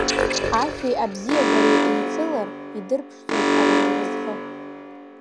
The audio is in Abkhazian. Ашәеи абзиабареи еицылар, идырԥшӡоит ауаҩы иразҟы.